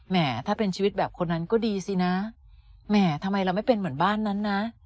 ถ้าเป็นชีวิตแบบคนนั้นก็ดีสินะแหมทำไมเราไม่เป็นเหมือนบ้านนั้นนะ